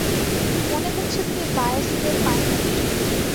মনে হচ্ছে তুমি বায়োসিনের পাইলট।